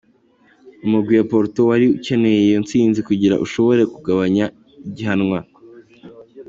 Umugwi wa Porto wari ukeneye iyo ntsinzi kugira ushobore kubandanya ihiganwa.